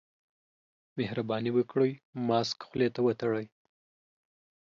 مهرباني وکړئ، ماسک خولې ته وتړئ.